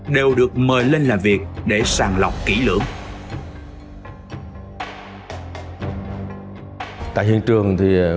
đều được mời lên trường